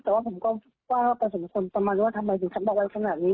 แต่ว่าผมก็ว่าพอสมควรประมาณว่าทำไมถึงฉันบอกไว้ขนาดนี้